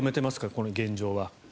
この現状は。